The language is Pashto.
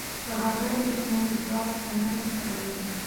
که هګۍ وي نو ځواک نه کمیږي.